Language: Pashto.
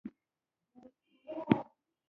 نوې موندنه دا ده چې استدلال برعکس دی.